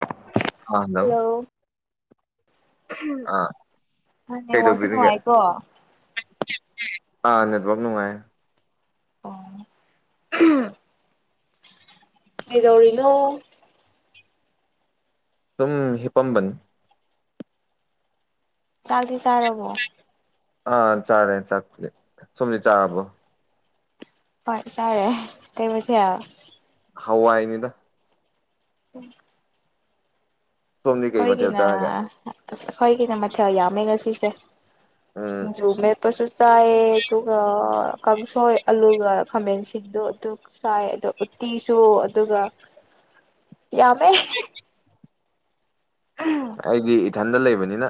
ꯑ ꯍꯜꯂꯣ ꯑꯥ ꯑꯥ ꯅꯦꯠꯋꯥꯔꯛꯁꯦ ꯀꯩꯗꯧꯕꯤꯔꯤꯒꯦ ꯅꯨꯡꯉꯥꯏꯀꯣ ꯑꯥ ꯅꯦꯠꯋꯥꯛ ꯅꯨꯡꯉꯥꯏ ꯑꯣ ꯀꯩꯗꯧꯔꯤꯅꯣ ꯇꯨꯝ ꯍꯤꯄꯝꯕꯅꯤ ꯆꯥꯛꯗꯤ ꯆꯥꯔꯕꯣ ꯑꯥ ꯆꯥꯔꯦ ꯆꯥꯛ ꯄꯨꯗ ꯁꯣꯝꯗꯤ ꯆꯥꯕꯕꯣ ꯍꯣꯏ ꯆꯔꯦ ꯀꯩ ꯃꯊꯦꯜ ꯍꯋꯥꯏꯅꯤꯗ ꯎꯝ ꯁꯣꯝꯗꯤ ꯀꯩ ꯑꯩꯈꯣꯏꯒꯤ ꯃꯊꯦꯜ ꯅ ꯆꯥꯔꯒꯦ ꯈꯣꯏꯒꯤꯅ ꯃꯊꯦꯜ ꯌꯥꯝꯃꯦ ꯉꯁꯤꯁꯦ ꯎꯝ ꯁꯤꯡꯖꯨ ꯃꯦꯠꯄꯁꯨ ꯆꯥꯏꯌꯦ ꯑꯗꯨꯒꯥ ꯀꯥꯡꯁꯣꯏ ꯑꯂꯨꯒ ꯈꯥꯃꯦꯟꯁꯤꯕꯗꯣ ꯑꯗꯨꯒ ꯆꯥꯏ ꯑꯗꯣ ꯎꯠꯇꯤꯁꯨ ꯑꯗꯨꯒ ꯌꯥꯝꯃꯦ ꯑꯩꯗꯤ ꯏꯊꯟꯗ ꯂꯩꯕꯅꯤꯅ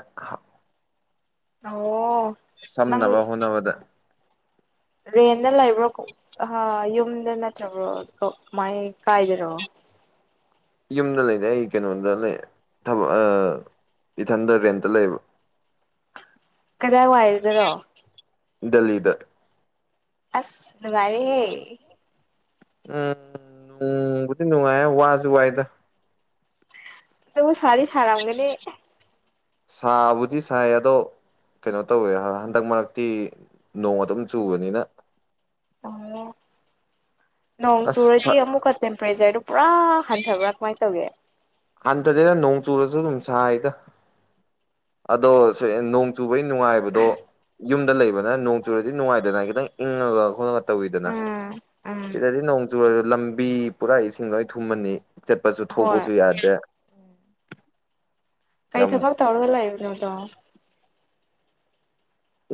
ꯑꯣ ꯅꯪ ꯁꯝꯅꯕ ꯍꯣꯠꯅꯕꯗ ꯔꯦꯟꯗ ꯂꯩꯕ꯭ꯔꯣ ꯌꯨꯝꯗ ꯅꯠꯇ꯭ꯔꯕ꯭ꯔꯣ ꯀꯥꯃꯥꯏꯏ ꯀꯥꯏꯗꯔꯣ ꯌꯨꯝꯗ ꯂꯩꯔ ꯑꯩ ꯀꯩꯅꯣꯗ ꯂꯩ ꯊꯕꯛ ꯏꯊꯟꯗ ꯔꯦꯟꯇ ꯂꯩꯌꯦꯕ ꯀꯗꯥꯏ ꯋꯥꯏꯗꯔꯣ ꯗꯦꯜꯂꯤꯗ ꯑꯁ ꯅꯨꯡꯉꯥꯏꯔꯦꯍꯦ ꯎꯝ ꯅꯨꯡꯕꯨꯗꯤ ꯅꯨꯡꯉꯥꯏ ꯋꯥꯁꯨ ꯋꯥꯏꯗ ꯇꯕꯨ ꯁꯥꯗꯤ ꯁꯥꯔꯝꯒꯅꯤ ꯁꯥꯕꯨꯗꯤ ꯁꯥꯏ ꯑꯗꯣ ꯀꯩꯅꯣ ꯇꯧꯋꯦ ꯍꯟꯗꯛ ꯃꯔꯛꯇꯤ ꯅꯣꯡ ꯑꯗꯨꯝ ꯆꯨꯕꯅꯤꯅ ꯑ ꯅꯤꯡ ꯑꯁ ꯆꯨꯨꯔꯗꯤ ꯑꯃꯨꯛ ꯇꯦꯝ ꯄꯔꯦꯖꯔ ꯄꯨꯔꯥ ꯍꯟꯊꯕ꯭ꯔꯥ ꯀꯃꯥꯏꯅ ꯇꯧꯒꯦ ꯍꯟꯊꯗꯦꯅ ꯅꯣꯡ ꯆꯨꯔꯁꯨ ꯑꯗꯨꯝ ꯁꯥꯏꯒ ꯑꯗꯣ ꯅꯣꯡ ꯆꯨꯕꯒꯤ ꯅꯨꯡꯉꯥꯏꯕꯗꯣ ꯌꯨꯝꯗ ꯂꯩꯕꯅ ꯣꯡ ꯆꯨꯔꯦꯗꯤ ꯅꯅꯨꯡꯉꯥꯏꯗꯅꯅꯥ ꯏꯒ ꯇꯧꯋꯤꯗꯅ ꯎꯝ ꯎꯝ ꯁꯤꯗꯗꯤ ꯅꯣꯡ ꯆꯨꯨꯔ ꯂꯝꯕꯤ ꯄꯨꯔꯥ ꯏꯁꯤꯡ ꯂꯣꯏ ꯊꯨꯝꯃꯅꯤ ꯆꯠꯄꯁꯨ ꯍꯣꯏ ꯊꯣꯛꯄꯁꯨ ꯌꯥꯗꯦ ꯆ ꯀꯩ ꯊ ꯐꯛ ꯇꯧꯒꯂꯑ ꯅꯣꯗꯣ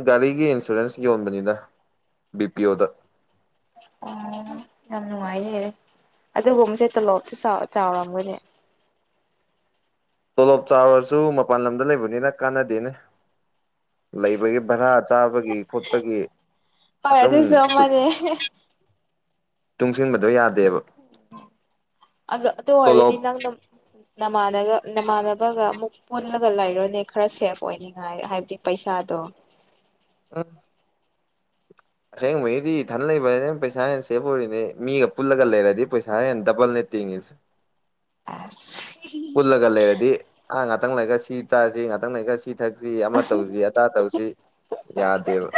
ꯒꯥꯔꯤꯒꯤ ꯏꯟꯁꯨꯔꯦꯟꯁ ꯌꯣꯟꯕꯅꯤꯅ ꯕꯤ ꯄꯤ ꯑꯣꯗ ꯑꯣ ꯌꯥꯝ ꯅꯨꯡꯉꯥꯏꯌꯦ ꯑꯗꯨꯒꯨꯝꯕꯁꯦ ꯇꯣꯂꯣꯞꯁꯨ ꯆꯥꯎꯔꯝꯒꯅꯦꯦ ꯇꯣꯂꯣꯞ ꯆꯥꯎꯔꯁꯨ ꯃꯄꯥꯟ ꯂꯝꯗ ꯂꯩꯕꯅꯤꯅ ꯀꯥꯟꯅꯗꯦꯅꯦ ꯂꯩꯕꯒꯤ ꯚꯔꯥ ꯆꯥꯕꯒꯤ ꯈꯣꯠꯄꯒꯤ ꯍꯣꯏ ꯑꯗꯨꯝ ꯑꯗꯨꯁꯨ ꯑꯃꯅꯦ ꯇꯨꯡꯁꯤꯟꯕꯗꯣ ꯌꯥꯗꯦ ꯑꯗ ꯑꯗꯨꯣ ꯇꯣꯂꯣꯞ ꯍꯔꯗꯤ ꯅꯪ ꯅ ꯅꯥꯟ ꯅꯃꯥꯟꯅꯕꯒ ꯑꯃꯨꯛ ꯄꯨꯜꯂꯒ ꯂꯩꯔꯣꯏꯅꯦ ꯈꯔ ꯁꯦꯐ ꯑꯣꯏꯅꯤꯉꯥꯏ ꯍꯥꯏꯕꯗꯤ ꯄꯩꯁꯥꯗꯣ ꯑ ꯑꯁꯦꯡꯕꯒꯤꯗꯤ ꯏꯊꯟ ꯂꯩꯕ ꯄꯩꯁꯥ ꯍꯦꯟꯅ ꯁꯦꯞ ꯑꯣꯏꯔꯤꯅꯦ ꯃꯤꯒ ꯄꯨꯜꯂꯒ ꯂꯩꯔꯗꯤ ꯄꯩꯁꯥ ꯍꯦꯟꯅ ꯗꯕꯜꯅꯦ ꯇꯤꯡꯉꯤꯁꯦ ꯑ ꯄꯨꯜꯂꯒ ꯂꯩꯔꯗꯤ ꯑꯥꯡ ꯉꯇꯪ ꯂꯩꯒ ꯁꯤꯤꯠ ꯆꯁꯤ ꯉꯥꯛꯪ ꯉ ꯀꯦ ꯁꯤꯤ ꯊꯛꯁꯤ ꯑꯃ ꯇꯧꯁꯤ ꯑꯗꯥ ꯇꯧꯁꯤ ꯌꯥꯗꯦꯕ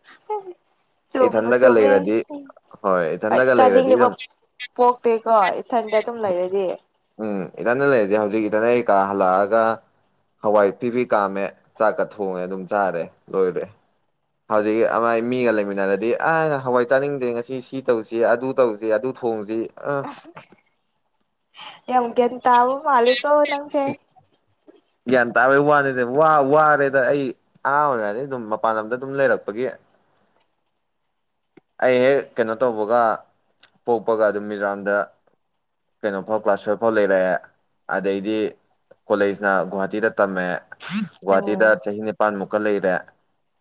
ꯍ ꯆꯨꯝꯃꯨ ꯏꯊꯟꯗꯒ ꯆꯨꯝꯃꯦ ꯂꯩꯔꯗꯤ ꯍꯣꯏ ꯏꯊꯟꯗꯒ ꯂꯩꯔꯗꯤ ꯆꯥꯅꯤꯡꯗꯕ ꯑꯗꯨꯝ ꯄꯣꯛꯇꯦꯀꯣ ꯏꯊꯟꯗ ꯑꯗꯨꯝ ꯂꯩꯔꯗꯤ ꯎꯝ ꯏꯊꯟꯗ ꯂꯩꯔꯗꯤ ꯍꯧꯖꯤꯛ ꯏꯇꯅꯩ ꯀꯥ ꯍꯜꯂꯛꯑꯒ ꯍꯋꯥꯏ ꯐꯤꯕꯤ ꯀꯥꯝꯃꯦ ꯆꯥꯛꯀ ꯊꯣꯡꯉꯦ ꯑꯗꯨꯝ ꯆꯥꯔꯦ ꯂꯣꯏꯔꯦ ꯍꯧꯖꯤꯛ ꯑꯃꯥꯏ ꯃꯤꯒ ꯂꯩꯃꯤꯟꯅꯔꯗꯤ ꯑ ꯍꯋꯥꯏ ꯆꯥꯅꯤꯡꯗꯦ ꯉꯁꯤ ꯁꯤ ꯇꯧꯁꯤ ꯑꯗꯨ ꯇꯧꯁꯤ ꯑꯗꯨ ꯊꯣꯡꯁꯤ ꯑ ꯌꯥꯝꯦꯝ ꯀ ꯇꯕ ꯃꯥꯂꯤꯀꯣ ꯅꯪꯁ ꯒ꯭ꯌꯥꯟ ꯇꯥꯕꯩ ꯋꯥꯅꯤ ꯋꯥꯔꯦꯗ ꯑꯩ ꯑꯍꯥ ꯑꯣꯏꯔꯅꯤ ꯑꯗꯨꯝ ꯃꯄꯥꯟ ꯂꯝꯗ ꯑꯗꯨꯝ ꯂꯩꯔꯛꯄꯒꯤ ꯑꯩ ꯍꯦꯛ ꯀꯩꯅꯣ ꯇꯧꯕꯒ ꯄꯣꯛꯄꯒ ꯑꯗꯨꯝ ꯃꯤꯖꯣꯔꯥꯝꯗ ꯀꯩꯅꯣꯐꯥꯎ ꯀ꯭ꯂꯥꯁ ꯇꯨꯌꯦꯞ ꯐꯥꯎ ꯂꯩꯔꯛꯑꯦ ꯑꯗꯩꯗꯤ ꯀꯣꯂꯦꯖꯅ ꯒꯨꯍꯥꯇꯤꯗ ꯇꯝꯃꯦꯦ ꯒꯨꯍꯥꯇꯤꯗ ꯎꯝ ꯆꯍꯤ ꯅꯤꯄꯥꯜꯃꯨꯛꯀ ꯂꯩꯔꯦ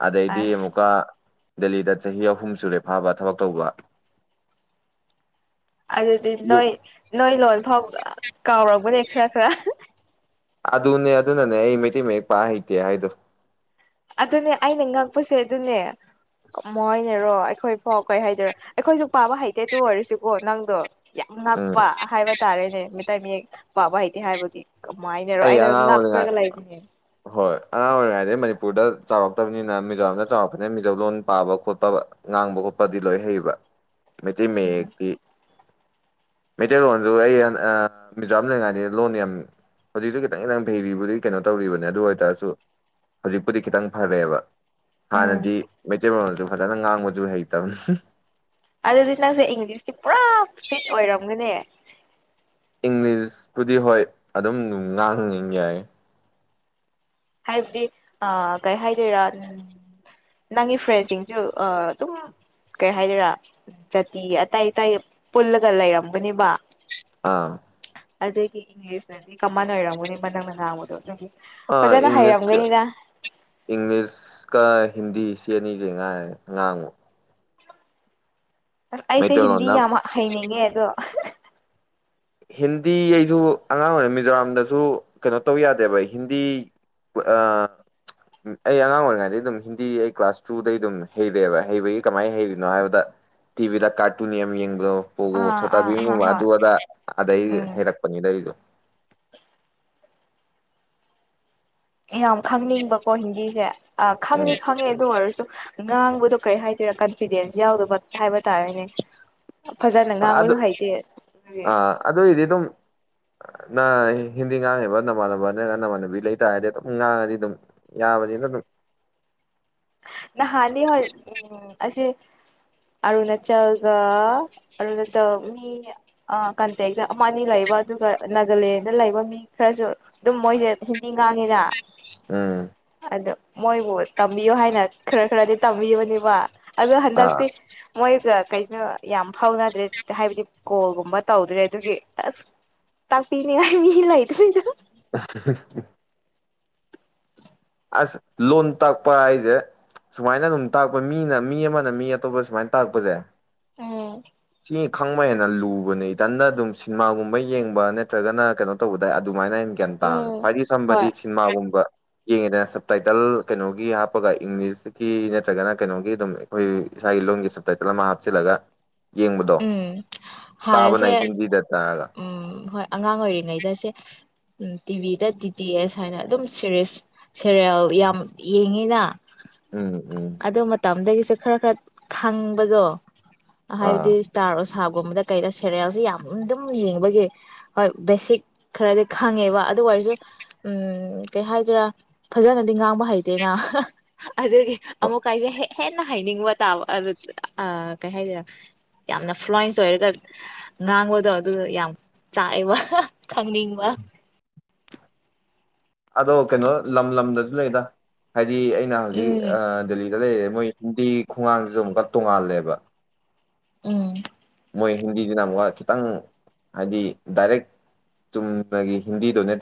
ꯑꯗꯩꯗꯤ ꯑꯁ ꯑꯃꯨꯀ ꯗꯂꯤꯗꯥ ꯆ ꯍ ꯑꯍꯨꯝꯁꯨꯨꯔꯦ ꯐꯥꯕ ꯊꯕꯛ ꯇꯧꯕ ꯑꯗꯨꯗꯤ ꯌꯨ ꯅꯣꯏ ꯅꯣꯏ ꯂꯣꯟ ꯐꯥꯎ ꯀꯥꯎꯔꯔꯕꯅꯦ ꯈꯔ ꯈꯔ ꯑꯗꯨꯅꯦ ꯑꯗꯨ ꯅꯅꯦ ꯑꯩ ꯃꯦꯇ ꯃꯦ ꯄ ꯍꯇ ꯍꯥꯏꯣ ꯑꯗꯨꯅꯦ ꯑꯩꯅ ꯉꯛꯄꯁꯦ ꯑꯗꯨꯅꯦ ꯃꯣꯏꯅꯔꯣ ꯑꯩꯈꯣꯏꯐꯥꯎ ꯀꯩ ꯍꯥꯏꯗꯣꯏꯔꯣ ꯑꯩꯈꯣꯏꯁꯨ ꯄꯥꯕ ꯍꯩꯇꯦ ꯇ ꯑꯣꯏꯔꯁꯤꯀꯣ ꯅꯪꯗꯣ ꯌꯥꯝ ꯎꯝ ꯉꯛꯄ ꯍꯥꯏꯕ ꯇꯥꯔꯦꯅꯦ ꯃꯤꯇꯩ ꯃꯌꯦꯛ ꯄꯕ ꯏꯗꯤ ꯍꯥꯏꯕꯗꯤ ꯀꯃꯥꯏꯅꯔꯣ ꯑꯩ ꯑꯩꯅ ꯑꯉꯥꯡ ꯑꯣꯏꯔꯤꯉꯥꯏ ꯅꯛꯈ꯭ꯔꯒ ꯂꯩꯔꯤꯅꯦ ꯍꯣꯏ ꯑꯉꯥꯡ ꯑꯣꯏꯔꯤꯉꯩꯗꯩ ꯃꯅꯤꯄꯨꯔꯗ ꯆꯥꯎꯔꯛꯇꯕꯅꯤꯅ ꯃꯤꯖꯣꯔꯥꯝꯗ ꯆꯥꯎꯔꯛꯄꯅꯤꯅ ꯃꯤꯖꯣꯝ ꯂꯣꯟ ꯄꯥꯕ ꯈꯣꯠꯄ ꯉꯥꯡꯕ ꯈꯣꯠꯄꯗꯤ ꯂꯣꯏ ꯍꯩꯕ ꯃ ꯃꯗꯤ ꯃꯩꯇꯩꯂꯣꯟꯁꯨ ꯑꯩ ꯃꯤꯖꯣꯔꯥꯝ ꯂꯩꯉꯥꯏꯅꯤ ꯂꯣꯟ ꯌꯥꯝꯃꯤ ꯍꯧꯖꯤꯛꯁꯨ ꯈꯤꯇꯪ ꯈꯤꯇꯪ ꯐꯩꯕꯨꯗꯤ ꯀꯩꯅꯣ ꯇꯧꯔꯤꯕꯅꯦ ꯑꯗꯨ ꯑꯣꯏꯇꯥꯔꯁꯨ ꯍꯧꯖꯤꯛꯄꯨꯗꯤ ꯈꯤꯇꯪ ꯐꯔꯛꯑꯦꯕ ꯍꯥ ꯎꯝ ꯅꯗꯤ ꯃꯦꯆꯦ ꯐ ꯅꯪ ꯉꯥꯡ ꯃꯨ ꯍꯩ ꯇꯕꯅꯤ ꯑꯗꯨꯗꯤ ꯅꯪꯁꯦ ꯏꯪꯂꯤꯁꯇꯤ ꯄꯨꯔꯥ ꯐꯤꯠ ꯑꯣꯏꯔꯝꯒꯅꯦ ꯏꯪꯂꯤꯁꯄꯨꯗꯤ ꯍꯣꯏ ꯑꯗꯨꯝ ꯉꯥꯡꯏ ꯌꯥꯏ ꯍꯥꯏꯕꯗꯤ ꯀꯩ ꯍꯥꯏꯗꯣꯏꯔꯥ ꯅꯪꯒꯤ ꯐ꯭ꯔꯦꯟꯁꯤꯡꯁꯨ ꯑꯗꯨꯝ ꯀꯩ ꯍꯥꯏꯗꯣꯏꯔꯥ ꯖꯥꯇꯤ ꯑꯇꯥꯏ ꯑꯇꯥꯏ ꯄꯨꯜꯂꯒ ꯂꯩꯔꯝꯒꯅꯦꯕ ꯑꯥ ꯑꯗꯒꯤ ꯏꯪꯂꯤꯁꯅꯗꯤ ꯀꯃꯟ ꯑꯣꯏꯔꯝꯝꯕꯅꯤ ꯃꯅ ꯃꯅꯥ ꯑꯃꯗꯣ ꯑꯗꯨꯗꯒꯤ ꯑꯥ ꯏꯪꯂꯤꯁ ꯀ ꯏꯪꯂꯤꯁ ꯀꯥꯏ ꯍꯤꯟꯗꯤ ꯆꯦ ꯑꯅꯤꯁꯦ ꯉꯥꯏꯔꯦ ꯉꯥꯡꯕꯨ ꯑꯁ ꯑꯩꯁꯦ ꯍꯤꯟꯗꯤ ꯃꯩꯇꯩꯂꯣꯟꯗ ꯌꯥꯝ ꯍꯩꯅꯤꯡꯉꯦ ꯑꯗꯣ ꯍꯤꯟꯗꯤ ꯑꯩꯁꯨ ꯑꯉꯥꯡ ꯑꯣꯏꯔꯤꯉꯩ ꯃꯤꯖꯣꯔꯥꯝꯗꯁꯨ ꯀꯩꯅꯣ ꯇꯧ ꯌꯥꯗꯦꯕ ꯍꯤꯟꯗꯤ ꯑꯩ ꯑꯉꯥꯡ ꯑꯣꯏꯔꯤꯉꯩꯗ ꯑꯗꯨꯝ ꯍꯤꯟꯗꯤ ꯑꯩ ꯀ꯭ꯂꯥꯁ ꯇꯨꯗꯩ ꯑꯗꯨꯝ ꯍꯩꯔꯛꯑꯦꯕ ꯍꯩꯕꯒꯤ ꯀꯃꯥꯏꯅ ꯍꯩꯔꯤꯅꯣ ꯍꯥꯏꯕꯗ ꯇꯤꯚꯤꯗ ꯀꯥꯔꯇꯨꯟ ꯌꯥꯝ ꯌꯦꯡꯕꯗꯣ ꯍꯣ ꯊꯣ ꯑꯥ ꯑꯥ ꯇꯕꯤ ꯑꯥ ꯃꯥ ꯍꯣꯏ ꯑꯗꯨ ꯋꯥꯗ ꯑꯗꯩ ꯎꯝ ꯍꯩꯔꯛꯄꯅꯤꯅ ꯂꯩꯒ ꯌꯥꯝ ꯈꯪꯅꯤꯡꯕꯀꯣ ꯍꯤꯟꯗꯤꯁꯦ ꯑ ꯎꯝ ꯈꯪꯅꯤ ꯈꯪꯦ ꯑꯗꯨ ꯑꯣꯏꯔ ꯉꯥꯡꯕꯗꯣ ꯀꯩ ꯍꯥꯏꯗꯣꯏꯔꯥ ꯀꯟꯐꯤꯗꯦꯟꯁ ꯌꯥꯎꯗꯕ ꯍꯥꯏꯕ ꯇꯥꯔꯦꯅꯦ ꯐꯖꯅ ꯑꯗꯨ ꯉꯥꯡꯕꯁꯨ ꯍꯩꯇꯦ ꯑꯗꯨꯒꯤ ꯑꯥ ꯑꯗꯨꯏꯗꯤ ꯑꯗꯨꯝ ꯅ ꯍꯤꯟꯗꯤ ꯉꯥꯡꯉꯤꯦꯕ ꯅꯃꯥꯟꯅꯕ ꯅꯠꯇ꯭ꯔꯒ ꯅꯃꯥꯟꯅꯕꯤ ꯂꯩꯇꯔꯗꯤ ꯑꯗꯨꯝ ꯉꯥꯡꯉꯗꯤ ꯑꯗꯨꯝ ꯌꯥꯕꯅꯤꯅ ꯑꯗꯨꯝ ꯅ ꯍꯥꯟ ꯍ ꯎꯝ ꯑꯁꯤꯁ ꯑꯔꯨꯅꯥꯆꯜꯒ ꯑꯔꯨꯅꯥꯆꯜ ꯃꯤ ꯀꯟꯇꯦꯛꯇ ꯑꯃ ꯑꯅꯤ ꯂꯩꯕ ꯑꯗꯨꯒ ꯅꯥꯒꯥꯂꯦꯟꯗ ꯂꯩꯕ ꯃꯤ ꯈꯔꯁꯨ ꯑꯗꯨꯝ ꯃꯣꯏꯁꯦ ꯅꯤꯡꯉꯗ ꯎꯝ ꯑꯗ ꯃꯣꯏꯕꯨ ꯇꯝꯕꯤꯌꯨ ꯍꯥꯏꯅ ꯈꯔ ꯈꯔꯗꯤ ꯇꯝꯕꯤꯕꯅꯦꯕ ꯑꯗꯨꯗ ꯑꯥ ꯍꯟꯗꯇ ꯃꯣꯏ ꯀꯩꯁꯨꯅ ꯌꯥꯝ ꯐꯥꯎꯅꯗ꯭ꯔꯦ ꯍꯥꯏꯕꯗꯤ ꯀꯣꯜꯒꯨꯝꯕ ꯇꯧꯗ꯭ꯔꯦ ꯑꯗꯨꯒꯤ ꯑꯁ ꯇꯥꯛꯄꯤꯅꯤꯡꯉꯥꯏ ꯃꯤ ꯂꯩꯇ꯭ꯔꯤꯗ [unintelligible] ꯑꯁ ꯂꯣꯟ ꯇꯥꯛꯄ ꯍꯥꯏꯁꯦ ꯁꯨꯃꯥꯏꯅ ꯑꯗꯨꯝ ꯇꯥꯛꯄ ꯃꯤꯅ ꯃꯤ ꯑꯃꯅ ꯃꯤ ꯑꯇꯣꯞꯄ ꯁꯨꯃꯥꯏꯅ ꯇꯥꯛꯄꯁꯦ ꯎꯝ ꯁꯤ ꯈꯪꯕ ꯍꯦꯅ ꯂꯨꯕꯅꯦ ꯏꯇꯟꯅ ꯑꯗꯨꯝ ꯁꯤꯅꯦꯃꯥꯒꯨꯝꯕ ꯌꯦꯡꯕ ꯅꯠꯇ꯭ꯔꯒꯅ ꯀꯩꯅꯣ ꯇꯧꯕꯗ ꯑꯗꯨꯃꯥꯏꯅ ꯍꯥꯏꯩꯅ ꯒ꯭ꯌꯥꯟ ꯇꯥꯡꯉꯦ ꯎꯝ ꯈ꯭ꯋꯥꯏꯗꯒꯤ ꯁꯝꯕꯗꯤ ꯍꯣꯏ ꯁꯤꯅꯦꯃꯥꯒꯨꯝꯕ ꯌꯦꯡꯉꯦꯗ ꯁꯞꯇꯥꯏꯇꯜ ꯀꯩꯅꯣꯒꯤ ꯍꯥꯞꯄꯒ ꯏꯪꯂꯤꯁꯀꯤ ꯅꯠꯇ꯭ꯔꯒꯅ ꯀꯩꯅꯣꯒꯤ ꯑꯗꯨꯝ ꯑꯩꯈꯣꯏ ꯏꯁꯥꯒꯤ ꯂꯣꯟꯒꯤ ꯁꯞꯇꯥꯏꯇꯜ ꯑꯃ ꯍꯥꯞꯆꯤꯜꯂꯒ ꯌꯦꯡꯕꯗꯣ ꯎꯝ ꯇꯥꯕꯅ ꯍꯥꯟꯅꯁꯦ ꯍꯤꯟꯗꯤꯗꯇ ꯎꯝ ꯍꯣꯏ ꯑꯉꯥꯡ ꯑꯣꯏꯔꯤꯉꯩꯗꯁꯦ ꯎꯝ ꯇꯤꯚꯤꯗ ꯗꯤ ꯇꯤ ꯑꯦꯁ ꯍꯥꯏꯅ ꯑꯗꯨꯝ ꯁꯦꯔꯤꯁ ꯁꯦꯔꯦꯜ ꯌꯥꯝ ꯌꯦꯡꯉꯤꯅ ꯎꯝ ꯎꯝ ꯑꯗꯣ ꯃꯝꯗꯗꯒꯤ ꯈꯔ ꯈꯔ ꯈꯪꯕꯗꯣ ꯑꯥ ꯍꯥꯏꯕꯗꯤ ꯏꯁꯇꯥꯔ ꯊꯥꯒꯨꯝꯕꯗ ꯀꯩꯅ ꯁꯦꯔꯦꯜꯁꯦ ꯌꯥꯝꯝ ꯌꯦꯡꯕꯒꯤ ꯍꯣꯏ ꯕꯦꯁꯤꯛ ꯈꯔꯗꯤ ꯈꯪꯉꯦꯕ ꯑꯗꯨ ꯑꯣꯏꯔꯁꯨ ꯎꯝ ꯀꯩ ꯍꯥꯏꯗꯔꯥ ꯐꯖꯅꯗꯤ ꯉꯥꯡꯕ ꯍꯩꯇꯦꯅ ꯑꯗꯨꯗꯒꯤ ꯑꯃꯨꯛ ꯀꯥꯏꯗꯦ ꯍꯦ ꯍꯦꯟꯅ ꯍꯥꯏꯅꯤꯡꯕ ꯇꯥꯕ ꯑꯗꯨ ꯀꯩ ꯍꯥꯏꯗꯔꯦ ꯌꯥꯝꯅ ꯐ꯭ꯂꯨꯋꯟꯁ ꯑꯣꯏꯔꯒ ꯉꯥꯡꯕꯗꯣ ꯑꯗꯨ ꯌꯥꯝ ꯆꯥꯏꯕ ꯈꯪꯅꯤꯡꯕ ꯑꯗꯣ ꯀꯩꯅꯣ ꯂꯝ ꯂꯝꯗꯁꯨ ꯂꯩꯗ ꯍꯥꯏ ꯗꯤ ꯑꯩꯅ ꯍꯧꯖꯤꯛ ꯎꯝ ꯗꯦꯜꯂꯤꯗ ꯂꯩ ꯃꯣꯏ ꯍꯤꯟꯗꯤꯒꯤ ꯈꯣꯡꯒꯥꯡꯁꯤꯗ ꯑꯃꯨꯛꯀ ꯇꯣꯡꯉꯥꯜꯂꯦꯕ ꯎꯝ ꯃꯣꯏ ꯍꯤꯟꯗꯤꯁꯤꯅ ꯑꯃꯨꯛꯀ ꯈꯤꯇꯪ ꯍꯥꯏꯗꯤ ꯗꯥꯏꯔꯦꯛ ꯆꯨꯝꯅꯒꯤ ꯍꯤꯟꯗꯤ ꯗꯣꯅꯦꯠ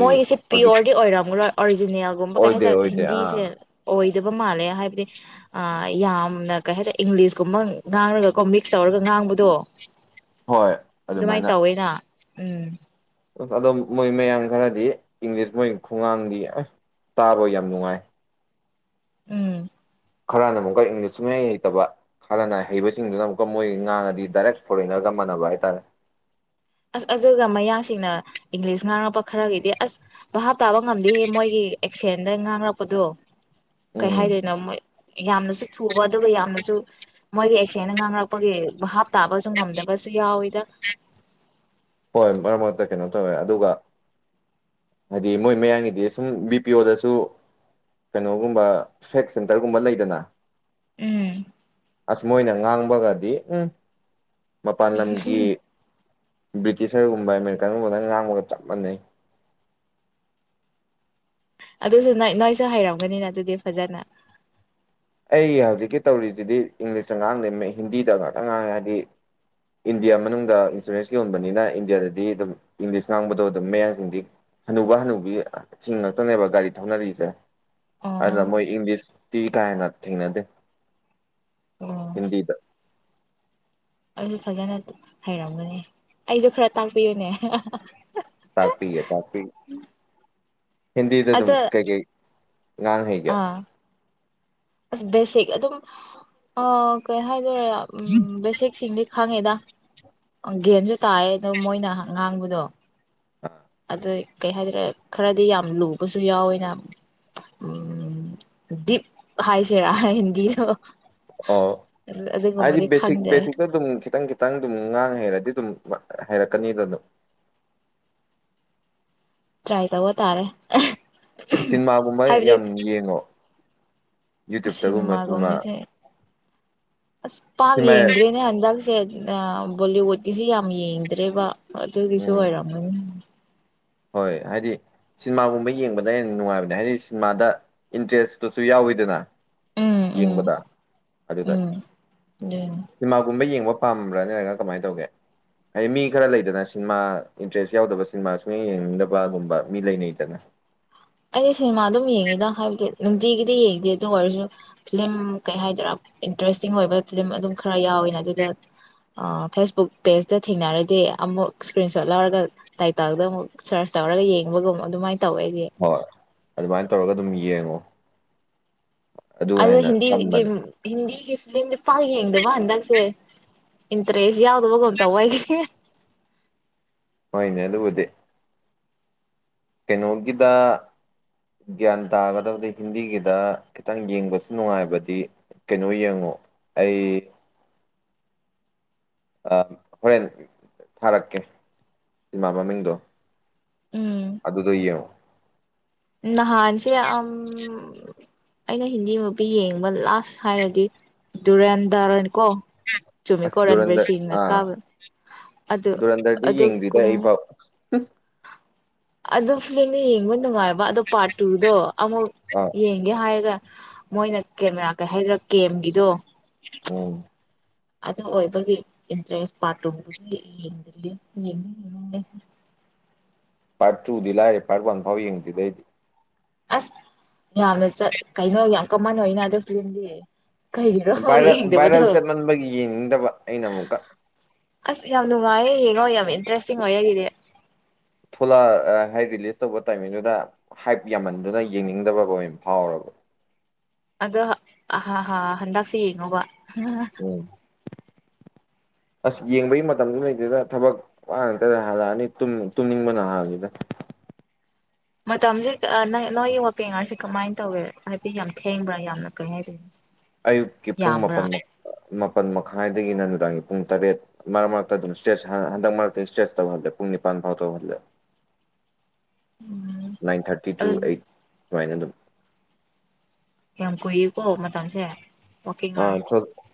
ꯃꯣꯏꯒꯤꯁꯦ ꯄꯤꯌꯣꯔꯗꯤ ꯑꯣꯏꯔꯝꯒꯔꯣꯏ ꯑꯣꯔꯤꯖꯤꯅꯦꯜꯒꯨꯝꯕ ꯀꯩ ꯑꯣꯏꯗꯦ ꯍꯥꯏꯖꯔꯦ ꯑꯣꯏꯗꯦ ꯍꯤꯟꯗꯤꯁꯦ ꯑꯥ ꯑꯣꯏ ꯑꯗꯨꯄꯥ ꯃꯥꯂꯦ ꯍꯥꯏꯕꯗꯤ ꯑ ꯌꯥꯝ ꯌꯥꯝꯅ ꯀꯩ ꯍꯥꯏꯇꯥꯔꯦ ꯏꯪꯂꯤꯁꯀꯨꯝꯕ ꯉꯥꯡꯔꯒꯀꯣ ꯃꯤꯛꯁ ꯇꯧꯔꯒ ꯉꯥꯡꯕꯗꯣ ꯍꯣꯏ ꯑꯗꯨꯃꯥꯏꯅ ꯎꯝ ꯑ ꯑꯗꯣ ꯃꯣꯏ ꯃꯌꯥꯝ ꯈꯔꯗꯤ ꯏꯪꯂꯤꯁ ꯃꯣꯏ ꯈꯨꯡꯒꯥꯡꯗꯤ ꯑꯁ ꯇꯥꯔꯣꯏ ꯌꯥꯝ ꯅꯨꯡꯉꯥꯏ ꯎꯝ ꯈꯔꯅ ꯑꯃꯨꯛꯀ ꯏꯪꯂꯤꯁ ꯃꯌꯥꯩ ꯍꯩꯇꯕ ꯍꯥꯟꯅꯅ ꯍꯩꯕꯁꯤꯡꯗꯨꯅ ꯑꯃꯨꯛꯀ ꯃꯣꯏ ꯉꯥꯡꯉꯗꯤ ꯗꯥꯏꯔꯦꯛ ꯐꯣꯔꯦꯟꯅꯔꯒ ꯃꯥꯟꯅꯕ ꯍꯥꯏꯇꯥꯔꯦ ꯑꯁ ꯑꯗꯨꯒ ꯃꯌꯥꯡꯁꯤꯡꯅ ꯏꯪꯂꯤꯁ ꯉꯥꯡꯔꯛꯄ ꯈꯔꯒꯤꯗꯤ ꯑꯁ ꯚꯥꯞ ꯇꯥꯕ ꯉꯝꯗꯦꯍꯦ ꯃꯣꯏꯒꯤ ꯑꯦꯛꯁꯦꯟꯗ ꯉꯥꯡꯔꯛꯄꯗꯣ ꯀꯩ ꯎꯝ ꯍꯥꯏꯗꯣꯏꯅꯣ ꯃꯣꯏ ꯌꯥꯝꯅꯁꯨ ꯊꯨꯕ ꯑꯗꯨꯒ ꯌꯥꯝꯅꯁꯨ ꯃꯣꯏꯒꯤ ꯑꯦꯛꯁꯦꯟꯗ ꯉꯥꯡꯔꯛꯄꯒꯤꯚꯞ ꯇꯥꯕꯁꯨ ꯉꯝꯗꯕꯁꯨ ꯌꯥꯎꯋꯤꯗ ꯍꯣꯏ ꯃꯔꯛ ꯃꯔꯛꯇ ꯀꯩꯅꯣ ꯇꯧꯋꯦ ꯑꯗꯨꯒ ꯍꯥꯏꯗꯤ ꯃꯣꯏ ꯃꯌꯥꯡꯒꯤꯗꯤ ꯁꯨꯝ ꯕꯤ ꯄꯤ ꯑꯣꯗꯁꯨ ꯀꯩꯅꯣꯒꯨꯝꯕ ꯐꯦꯛ ꯁꯦꯟꯇꯔꯒꯨꯝꯕ ꯂꯩꯗꯅ ꯎꯝ ꯑꯁ ꯃꯣꯏꯅ ꯉꯥꯡꯕꯒꯗꯤ ꯎꯝ ꯃꯄꯥꯟ ꯂꯝꯒꯤꯕꯤ ꯤꯁꯔꯒꯨꯝꯕ ꯑꯃꯦꯔꯤꯀꯟꯒꯨꯝꯕꯗꯪ ꯉꯥꯡꯕꯒ ꯆꯞ ꯃꯥꯟꯅꯩ ꯑꯗꯨꯁꯨ ꯅ ꯅꯣꯏꯁꯨ ꯍꯩꯔꯝꯒꯅꯤꯅ ꯑꯗꯨꯗꯤ ꯐꯖꯅ ꯑꯩ ꯍꯧꯖꯤꯛꯀꯤ ꯇꯧꯔꯤꯁꯤꯗꯤ ꯏꯪꯂꯤꯁꯇ ꯉꯥꯡꯗꯦ ꯍꯤꯟꯗꯤꯗ ꯉꯥꯛꯇ ꯉꯥꯡꯉꯦ ꯍꯥꯏꯗꯤ ꯏꯟꯗꯤꯌꯥ ꯃꯅꯨꯡꯗ ꯏꯟꯁꯨꯔꯦꯟꯁ ꯌꯣꯟꯕꯅꯤꯅ ꯏꯟꯗꯤꯌꯥꯗꯗꯤ ꯑꯗꯨꯝ ꯏꯪꯂꯤꯁ ꯉꯥꯡꯕꯗꯣ ꯑꯗꯨꯝ ꯃꯌꯥꯡꯁꯤꯡꯗꯤ ꯍꯅꯨꯕ ꯍꯅꯨꯕꯤꯁꯤꯡꯤꯡ ꯉꯥꯛꯇꯅꯦꯕ ꯒꯥꯔꯤ ꯊꯧꯅꯔꯤꯁꯦ ꯑꯗꯨꯅ ꯑꯣ ꯃꯣꯏ ꯏꯪꯂꯤꯁꯇꯤ ꯀꯥꯏ ꯍꯦꯅ ꯊꯦꯡꯅꯗ ꯍꯤꯟꯗꯤꯗ ꯑꯗꯨ ꯐꯖꯅ ꯍꯩꯔꯝꯒꯅꯤ ꯑꯩꯁꯨ ꯈꯔ ꯇꯥꯛꯄꯤꯌꯨꯅꯦ ꯇꯥꯛꯄꯤꯌꯦ ꯇꯥꯛꯄꯤ ꯍꯤꯟꯗꯤꯗ ꯑꯗꯨꯝ ꯑꯗ ꯀꯩꯀꯩ ꯉꯥꯡ ꯍꯩ ꯀ ꯑ ꯕꯦꯁꯤꯛ ꯑꯗꯨꯝ ꯀꯩ ꯍꯥꯏ ꯎꯝ ꯦꯁ ꯁꯤ ꯈꯪꯉꯦꯗ ꯒꯦꯟꯁꯨ ꯇꯥꯏꯌꯦ ꯑꯗꯣ ꯃꯣꯏꯅ ꯉꯥꯡꯕꯗꯣ ꯑꯥ ꯑ ꯀꯩ ꯍꯥꯏꯗꯔꯦ ꯈꯔꯗꯤ ꯌꯥꯝ ꯂꯨꯕꯁꯨ ꯌꯥꯎꯋꯦꯅ ꯗꯤꯞ ꯍꯥꯏꯥꯏꯁꯤꯦꯔ ꯍꯗꯤꯣ ꯑꯣ ꯍꯥꯏꯗꯤ ꯕꯦꯁꯤꯛ ꯈꯪꯗ꯭ꯔꯦ ꯕꯦꯁꯤꯛꯇꯣ ꯑꯗꯨꯝ ꯈꯤꯇꯪ ꯈꯤꯇꯪ ꯑꯗꯨꯝ ꯉꯥꯡꯍꯦꯔꯗꯤ ꯑꯗꯨꯝ ꯍꯥꯏꯔꯛꯀꯅꯤꯗꯅ ꯆꯥꯏ ꯇꯧꯕ ꯇꯥꯔꯦ ꯁꯤꯃꯥꯒꯨꯝꯕ ꯌꯥꯝ ꯌꯦꯡꯉꯣ ꯌꯨꯇ꯭ꯌꯨꯕꯇꯒꯨꯝꯕ ꯁꯤꯟꯃꯥ ꯁꯤꯅꯦꯃꯥꯒꯨꯝꯃꯤꯁꯦ ꯑꯁ ꯄꯥꯛ ꯁꯤꯟꯃꯥ ꯌꯦꯡꯗ꯭ꯔꯦꯅꯦ ꯍꯟꯗꯛꯁꯦ ꯕꯣꯂꯤ ꯇꯤꯁꯤ ꯌꯥꯝ ꯌꯦꯡꯗ꯭ꯔꯦꯕ ꯑ ꯑꯗꯨ ꯄꯁꯨ ꯎꯝ ꯑꯣꯏꯔꯅꯤ ꯍꯣꯏ ꯍꯥꯏꯗꯤ ꯁꯤꯅꯦꯃꯥꯒꯨꯝꯕ ꯌꯦꯡꯕꯗ ꯍꯦꯟꯅ ꯅꯨꯡꯉꯥꯏꯕꯅꯦ ꯍꯥꯏꯗꯤ ꯁꯤꯅꯦꯃꯥꯗ ꯏꯟꯇꯔꯦꯁꯇꯨꯁꯨ ꯌꯥꯎꯋꯤꯗꯅ ꯎꯝ ꯎꯝ ꯌꯦꯡꯕꯗ ꯑꯗꯨꯗ ꯎꯝ ꯑꯗꯨꯅꯤ ꯁꯤꯃꯥꯒꯨꯝꯕ ꯌꯦꯡꯕ ꯄꯥꯝꯕ꯭ꯔꯥꯅꯦꯔꯒ ꯀꯃꯥꯏꯅ ꯇꯧꯒꯦ ꯍꯥꯏꯗꯤ ꯃꯤ ꯈꯔ ꯂꯩꯗꯅ ꯁꯤꯅꯦꯃꯥ ꯏꯟꯇꯔꯦꯁ ꯌꯥꯎꯗꯕ ꯁꯤꯅꯦꯃꯥ ꯁꯨꯡ ꯌꯦꯡꯅꯤꯡꯗꯕꯒꯨꯝꯕ ꯃꯤ ꯂꯩꯅꯩꯗꯅ ꯑꯩꯗꯤ ꯁꯤꯅꯦꯃꯥ ꯑꯗꯨꯝ ꯌꯦꯡꯉꯤꯗ ꯍꯥꯏꯕꯗꯤ ꯅꯨꯡꯇꯤꯒꯤꯗꯤ ꯌꯦꯡꯗꯦ ꯑꯗꯨ ꯑꯣꯏꯔꯁꯨ ꯐꯤꯂꯝ ꯀꯩ ꯍꯥꯏꯗꯔꯥ ꯏꯟꯇꯔꯦꯁꯇꯤꯡ ꯑꯣꯏꯕ ꯐꯤꯂꯝ ꯑꯗꯨꯝ ꯈꯔ ꯌꯥꯎꯋꯤꯅꯦ ꯑꯗꯨꯗ ꯐꯦꯁꯕꯨꯛ ꯄꯦꯖꯇ ꯊꯦꯡꯅꯔꯗꯤ ꯑꯃꯨꯛ ꯏꯁꯀ꯭ꯔꯤꯟ ꯁꯣꯠ ꯂꯧꯔꯒ ꯇꯥꯏꯇꯜꯗ ꯑꯃꯨꯛ ꯁꯔꯁ ꯇꯧꯔꯒ ꯌꯦꯡꯕꯒꯨꯝ ꯑꯗꯨꯃꯥꯏꯅ ꯇꯧꯋꯦ ꯑꯩꯗꯤ ꯍꯣꯏ ꯑꯗꯨꯃꯥꯏꯅ ꯇꯧꯔꯒ ꯑꯗꯨꯝ ꯌꯦꯡꯉꯣ ꯑꯗꯨ ꯑꯗꯨꯗ ꯍꯦꯟꯅ ꯍꯤꯟꯗꯤꯤ ꯒꯤ ꯆꯝꯕꯅꯦ ꯍꯤꯟ ꯑꯩꯒꯤ ꯐꯤꯂꯝꯁ ꯄꯥꯛ ꯌꯦꯡꯗꯕ ꯍꯟꯗꯛꯁꯦ ꯏꯟꯇꯔꯦꯁ ꯌꯥꯎꯗꯕꯒꯨꯝ ꯇꯧꯕ ꯍꯥꯏꯒꯤꯁꯦ ꯍꯣꯏꯅꯦ ꯂꯕꯨꯗꯦ ꯀꯩꯅꯣꯒꯤꯗ ꯒ꯭ꯌꯥꯟ ꯇꯥꯒꯗꯕꯗꯤ ꯍꯤꯟꯗꯤꯒꯤꯗ ꯈꯤꯇꯪ ꯌꯦꯡꯕꯁꯨ ꯅꯨꯡꯉꯥꯏꯕꯗꯤ ꯀꯩꯅꯣ ꯌꯦꯡꯉꯣ ꯑꯩ ꯍꯣꯔꯦꯟ ꯊꯥꯔꯛꯀꯦ ꯏꯃꯥ ꯃꯃꯤꯡꯗꯣ ꯎꯝ ꯑꯗꯨꯗ ꯌꯦ ꯅꯍꯥꯟꯁꯦ ꯑ ꯑꯩꯅ ꯍꯤꯟꯗꯤ ꯃꯄꯤ ꯌꯦꯡꯕ ꯂꯥꯁ ꯍꯥꯏꯔꯗꯤ ꯗꯨꯔꯦꯟꯗꯔꯅꯤꯀꯣ ꯑ ꯆꯨꯝꯃꯤꯀꯣ ꯔꯟꯕꯤꯔ ꯗꯨꯨꯔꯟꯗꯔ ꯁꯤꯡꯅ ꯑꯥ ꯀꯥꯕ ꯑꯗꯨ ꯗꯨꯨꯔꯟꯗꯔꯗꯤ ꯌꯦꯡꯗ꯭ꯗ ꯑꯗꯨꯒꯨꯝ ꯑꯩꯐꯥꯎ ꯎꯝ ꯑꯗꯨ ꯐꯤꯜꯂꯤ ꯌꯦꯉꯣꯟ ꯅ ꯃꯥ ꯑꯗꯣ ꯄꯥꯔꯠ ꯇꯨꯗꯣ ꯑꯃꯨꯛ ꯑꯥ ꯌꯦꯡꯒꯦ ꯍꯥꯏꯔꯒ ꯃꯣꯏꯅ ꯀꯦꯃꯦꯔꯥ ꯀꯩ ꯍꯥꯏꯗ꯭ꯔꯥ ꯀꯦꯝꯒꯤꯗꯣ ꯎꯝ ꯑꯗꯨ ꯑꯣꯏꯕꯒꯤ ꯏꯟꯇ꯭ꯔꯦꯁ ꯄꯥꯔꯠꯇꯨ [inaudible] ꯄꯥꯔꯠ ꯇꯨꯗꯤ ꯂꯥꯏꯔꯦ ꯄꯥꯔꯠ ꯋꯥꯟ ꯐꯥꯎ ꯌꯦꯡꯗ꯭ꯔꯤꯗ ꯑꯩꯗꯤ ꯑꯁ ꯌꯥꯝꯅ ꯆꯠ ꯀꯩꯅꯣ ꯌꯥꯝ ꯀꯃꯟ ꯑꯣꯏꯅ ꯑꯗꯨ ꯐꯤꯂꯝꯗꯤ ꯀꯩꯒꯤꯔꯣ ꯚꯥꯏꯔ ꯚꯥꯏꯔꯦꯜ ꯌꯦꯡꯗꯕꯗꯣ ꯆꯠꯃꯟꯕꯒꯤ ꯌꯦꯡꯅꯤꯡꯗꯕ ꯑꯩꯅ ꯑꯃꯨꯛꯀ ꯑꯁ ꯌꯥꯝꯅꯅꯨꯡ ꯃꯥꯌꯦ ꯍꯦ ꯍꯣꯏ ꯌꯥꯝ ꯏꯟꯇ꯭ꯔꯦꯁꯇꯤꯡ ꯑꯣꯏ ꯑꯩꯒꯤꯗꯤ ꯊꯣꯛꯂꯛ ꯍꯥꯏ ꯔꯤꯂꯤꯁ ꯇꯧꯕ ꯇꯥꯏꯃꯤꯡꯗꯨꯗ ꯍꯥꯏꯞ ꯌꯥꯝꯃꯟꯗꯨꯅ ꯌꯦꯡꯅꯤꯡꯗꯕ ꯑꯣꯏꯅ ꯐꯥꯎꯔꯕ ꯑꯗꯣ ꯍꯥ ꯍꯥ ꯍꯟꯗꯛꯁꯦ ꯌꯦꯡꯉꯨꯕ [unintelligible] ꯎꯝ ꯑꯁ ꯌꯦꯡꯕꯒꯤ ꯃꯇꯝꯗꯨ ꯂꯩꯗꯦꯗ ꯊꯕꯛ ꯋꯥ ꯉꯇꯗ ꯍꯜꯂꯛꯑꯅꯤ ꯇꯨꯝꯅꯤꯡꯕꯅ ꯍꯜꯦꯗ ꯃꯇꯝꯁꯦ ꯑꯥ ꯅꯪ ꯅꯣꯏꯒꯤ ꯋꯥꯀꯤꯡ ꯑꯋꯥꯔꯁꯤ ꯀꯃꯥꯏꯅ ꯇꯧꯋꯦ ꯍꯥꯏꯗꯤ ꯌꯥꯝ ꯊꯦꯡꯕ꯭ꯔꯥ ꯌꯥꯝꯅ ꯐꯩ ꯍꯥꯏꯗꯣꯏꯅꯦ ꯑꯌꯨꯛꯀꯤ ꯄꯨꯡ ꯃꯥꯄꯜ ꯃꯥꯄꯜ ꯃꯈꯥꯏꯗꯒꯤꯅ ꯅꯨꯡꯗꯥꯡꯒꯤ ꯄꯨꯡ ꯇꯔꯦꯠ ꯃꯔꯛ ꯃꯔꯛꯇ ꯑꯗꯨꯝ ꯁꯇ꯭ꯔꯦꯆ ꯍꯟꯗꯛ ꯃꯔꯛꯇꯒꯤ ꯁꯇ꯭ꯔꯦꯆ ꯇꯧꯍꯜꯂꯦ ꯄꯨꯡ ꯅꯤꯄꯥꯟ ꯐꯥꯎ ꯇꯧꯍꯜꯂꯦ ꯅꯥꯏꯟ ꯊꯥꯔꯇꯤ ꯇꯨ ꯑꯗꯨꯗꯤ ꯑꯩꯠ ꯁꯨꯃꯥꯏꯅ ꯑꯗꯨꯝ ꯌꯥꯝ ꯀꯨꯏꯌꯦꯀꯣ ꯃꯇꯝꯁꯦ ꯑꯣ ꯀꯦ ꯉꯥꯏꯔ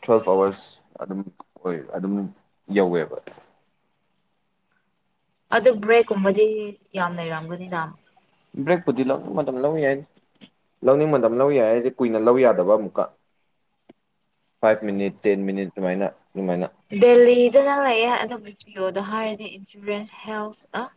ꯇ꯭ꯋꯦꯜꯐ ꯑꯥꯋꯥꯔꯁ ꯑꯗꯨꯝ ꯑꯣꯏ ꯑꯗꯨꯝ ꯌꯧꯋꯦꯕ ꯑꯗꯨ ꯕ꯭ꯔꯦꯛꯀꯨꯝꯕꯗꯤ ꯌꯥꯝ ꯂꯩꯔꯝꯒꯅꯤꯅ ꯕ꯭ꯔꯦꯛꯄꯨꯗꯤ ꯂꯧꯅꯤꯡ ꯃꯇꯝ ꯂꯧ ꯌꯥꯏ ꯂꯧꯅꯤꯡꯕ ꯃꯇꯝ ꯂꯧ ꯌꯥꯏ ꯍꯥꯏꯁꯦ ꯀꯨꯏꯅ ꯂꯧ ꯌꯥꯗꯕ ꯑꯃꯨꯛꯀ ꯐꯥꯏꯚ ꯃꯤꯅꯤꯠ ꯇꯦꯟ ꯃꯤꯅꯤꯠ ꯁꯨꯃꯥꯏꯅ ꯑꯗꯨꯃꯥꯏꯅ ꯗꯜꯂꯤ ꯏꯅꯌ ꯍꯥꯏ ꯏꯟꯁꯨꯔꯦꯟꯁ ꯍꯦꯜꯁ